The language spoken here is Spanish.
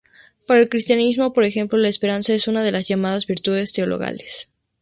Para el cristianismo, por ejemplo, la esperanza es una de las llamadas virtudes teologales.